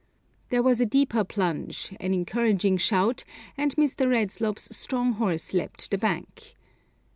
There was a deeper plunge, an encouraging shout, and Mr. Redslob's strong horse leapt the bank.